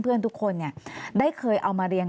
แต่ได้ยินจากคนอื่นแต่ได้ยินจากคนอื่น